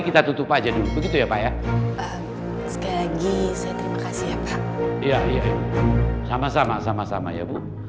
kita tutup aja dulu begitu ya pak ya sekali lagi saya terima kasih ya pak iya iya sama sama sama ya bu